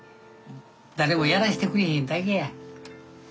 誰もやらしてくれへんだけや。